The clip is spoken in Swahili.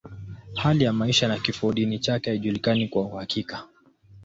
Hali ya maisha na kifodini chake haijulikani kwa uhakika.